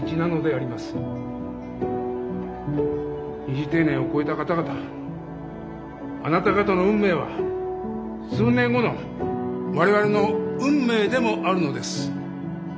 二次定年を超えた方々あなた方の運命は、数年後のわれわれの運命でもあるのです。